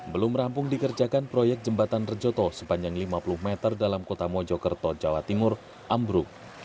belum rampung dikerjakan proyek jembatan rejoto sepanjang lima puluh meter dalam kota mojokerto jawa timur ambruk